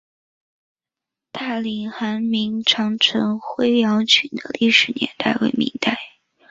大岭寨明长城灰窑群的历史年代为明代。